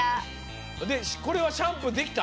でこれはシャンプーできた？